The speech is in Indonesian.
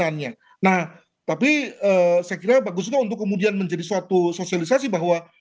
nah tapi saya kira bagus juga untuk kemudian menjadi suatu sosialisasi bahwa